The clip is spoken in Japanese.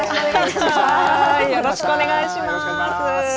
よろしくお願いします。